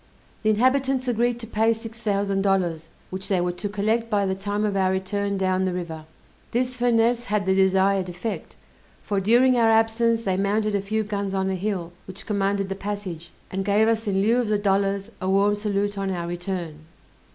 The inhabitants agreed to pay six thousand dollars, which they were to collect by the time of our return down the river. This finesse had the desired effect, for during our absence they mounted a few guns on a hill, which commanded the passage, and gave us in lieu of the dollars a warm salute on our return.